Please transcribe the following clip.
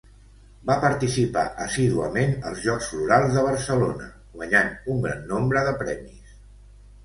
Va participar assíduament als Jocs Florals de Barcelona, guanyant un gran nombre de premis.